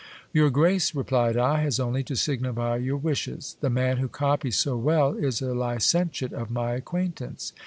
Your grace, replied I, has only to signify your wishes. The man who copies so well is a licentiate of my acquaintance.